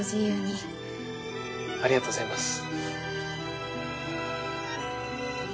ありがとうございます。